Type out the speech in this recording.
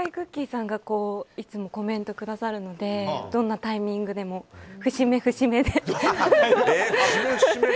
さんがいつもコメントくださるのでどんなタイミングでも節目、節目で。